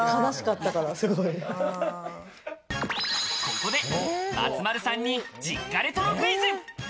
ここで松丸さんに実家レトロクイズ。